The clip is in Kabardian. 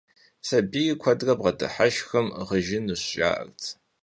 Сабийр куэдрэ бгъэдыхьэшхым, гъыжынущ, жаӀэрт.